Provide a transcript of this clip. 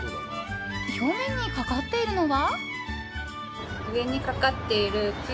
表面にかかっているのは？